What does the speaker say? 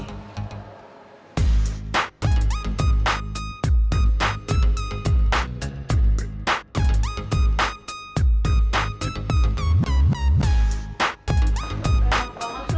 nanti aku nungguin